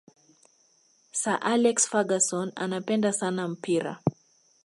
sir alex ferguson anapenda sana mpira